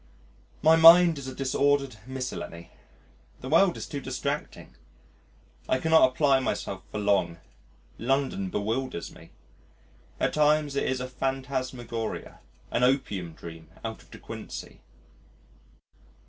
My mind is a disordered miscellany. The world is too distracting. I cannot apply myself for long. London bewilders me. At times it is a phantasmagoria, an opium dream out of De Quincey.